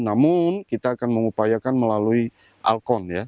namun kita akan mengupayakan melalui alkon ya